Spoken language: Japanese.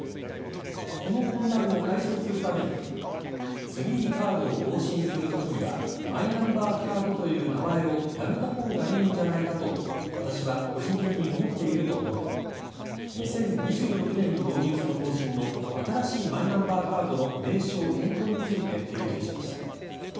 この混乱を解消するために次にカードを更新する時にはマイナンバーカードという名前をやめた方がいいんじゃないかと私は個人的に思っていると述べ２０２６年に導入する方針の新しいマイナンバーカードの名称変更について言及しました。